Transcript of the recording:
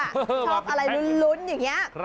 ชอบอะไรลุ้นอย่างนี้